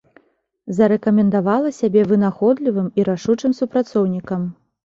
Зарэкамендавала сябе вынаходлівым і рашучым супрацоўнікам.